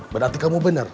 berarti kamu benar